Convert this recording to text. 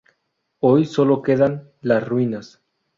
Hoy solo quedan las ruinas.